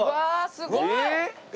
すごい！